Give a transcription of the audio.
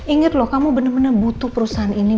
ingat loh kamu benar benar butuh perusahaan ini